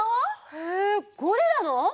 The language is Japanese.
へえゴリラの！？